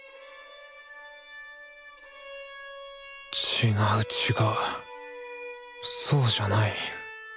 違う違うそうじゃない。